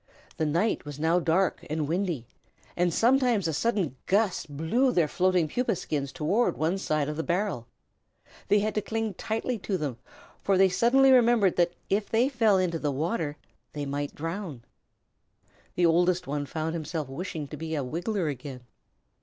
The night was now dark and windy, and sometimes a sudden gust blew their floating pupa skins toward one side of the barrel. They had to cling tightly to them, for they suddenly remembered that if they fell into the water they might drown. The oldest one found himself wishing to be a Wiggler again.